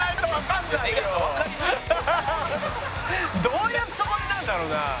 どういうつもりなんだろうな。